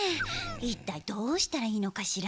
いったいどうしたらいいのかしら。